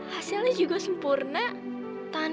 hanya saja muterin installnya